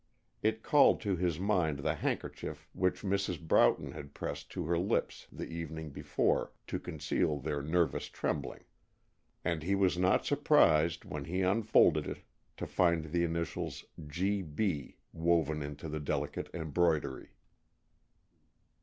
It called to his mind the handkerchief which Mrs. Broughton had pressed to her lips the evening before to conceal their nervous trembling, and he was not surprised, when he unfolded it, to find the initials "G.B." woven into the delicate embroidery.